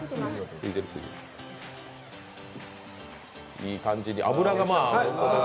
いい感じに、脂が。